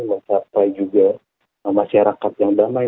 mencapai juga masyarakat yang damai